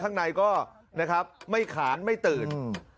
นะครับไม่ขาดไม่ตื่น